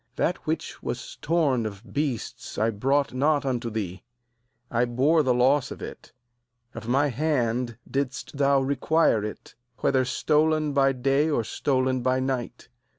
39That which was torn of beasts I brought not unto thee; I bore the loss of it; of my hand didst thou require it, whether stolen by day or stolen by night.